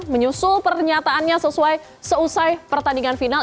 menyusul pernyataannya sesuai seusai pertandingan final